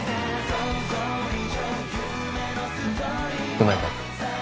うまいか？